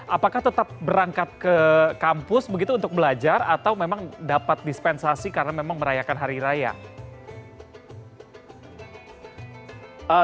apakah tetap berangkat ke kampus begitu untuk belajar atau memang dapat dispensasi karena memang merayakan hari raya